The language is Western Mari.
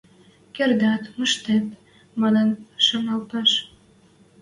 «Кердӓт, мыштет», – манын шаналтыш.